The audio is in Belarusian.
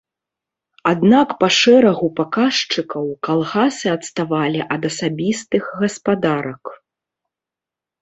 Аднак па шэрагу паказчыкаў калгасы адставалі ад асабістых гаспадарак.